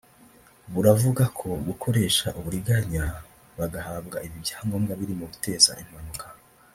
Buravuga ko gukoresha uburiganya bagahabwa ibi byangombwa biri mu biteza impanuka